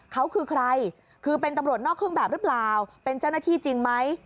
เขาคือใครคือเป็นตำรวจนอกเครื่องแบบหรือเปล่าเป็นเจ้าหน้าที่จริงไหม